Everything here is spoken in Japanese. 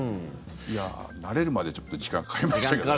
慣れるまで、ちょっと時間かかりましたけどね。